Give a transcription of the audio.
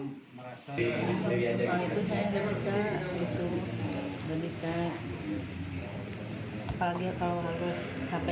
apalagi kalau harus sampai dibayar gitu ya